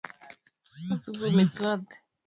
Mungu ilinde Kenya